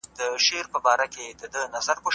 استاد د شاګردانو لیکني لوستلې.